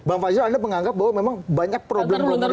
bang fajrul anda menganggap bahwa memang banyak problem global